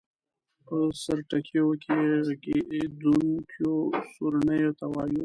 په سرټکیو کې غږېدونکیو سورڼیو ته وایو.